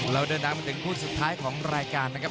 เราเดินทางมาถึงคู่สุดท้ายของรายการนะครับ